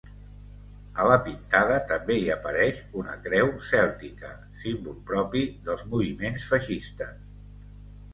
A la pintada també hi apareix una creu cèltica, símbol propi dels moviments feixistes.